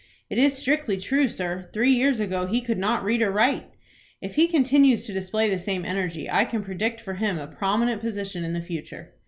"It is strictly true, sir. Three years ago he could not read or write." "If he continues to display the same energy, I can predict for him a prominent position in the future."